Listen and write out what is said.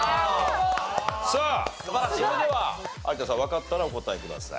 さあそれでは有田さんわかったらお答えください。